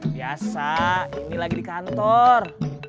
biasa ini lagi di kantor